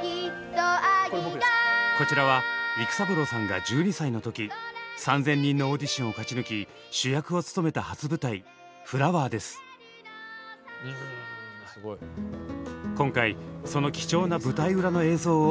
こちらは育三郎さんが１２歳の時３，０００人のオーディションを勝ち抜き主役を務めた初舞台「フラワー」です。今回その貴重な舞台裏の映像を入手しました。